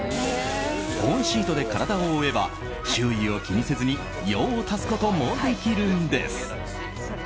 保温シートで体を覆えば周囲を気にせずに用を足すこともできるんです。